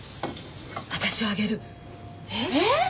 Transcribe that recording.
私をあげる。え！？